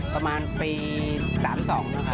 ประมาณปี๓๒หรือคะ